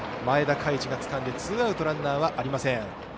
前田凱地がつかんでツーアウトランナーはありません。